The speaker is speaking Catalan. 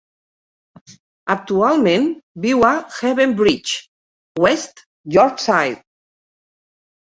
Actualment viu a Hebden Bridge, West Yorkshire.